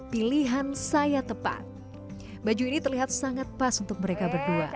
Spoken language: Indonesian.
pilihan saya tepat baju ini terlihat sangat pas untuk mereka berdua